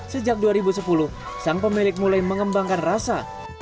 sejak dua ribu sepuluh sang pemilik mulai mengembangkan rasa